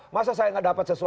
masa saya gak dapat sesuatu